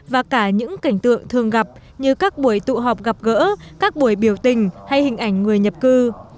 và cả những cảnh tượng thường gặp như các buổi tụ họp gặp gỡ các buổi biểu tình hay hình ảnh người nhập cư